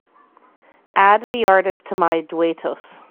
Add the artist to my Duetos.